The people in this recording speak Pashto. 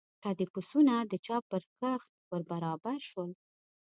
که د پسونو د چا پر کښت ور برابر شول.